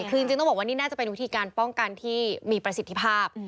คือจริงต้องบอกว่านี่น่าจะเป็นวิธีการป้องกันที่มีประสิทธิภาพ